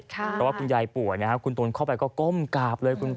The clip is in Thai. เพราะว่าคุณยายป่วยนะครับคุณตูนเข้าไปก็ก้มกราบเลย